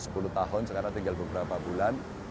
sepuluh tahun sekarang tinggal beberapa bulan